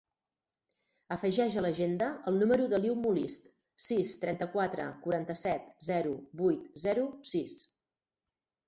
Afegeix a l'agenda el número de l'Iu Molist: sis, trenta-quatre, quaranta-set, zero, vuit, zero, sis.